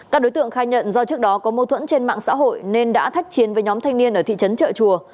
các đối tượng khai nhận do trước đó có mâu thuẫn trên mạng xã hội nên đã thách chiến với nhóm thanh niên ở thị trấn trợ chùa